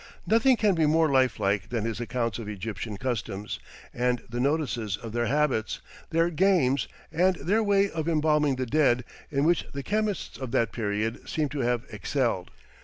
Nothing can be more life like than his accounts of Egyptian customs, and the notices of their habits, their games, and their way of embalming the dead, in which the chemists of that period seem to have excelled.